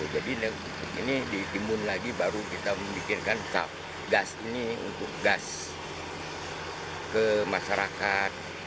jadi ini ditimun lagi baru kita membuatkan gas ini untuk gas ke masyarakat